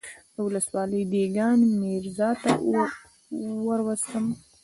د ولسوالۍ دېګان ميرزا ته وروستم.